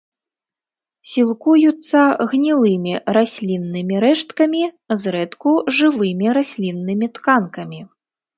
Сілкуюцца гнілымі расліннымі рэшткамі, зрэдку жывымі расліннымі тканкамі.